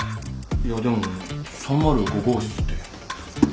いやでも３０５号室って。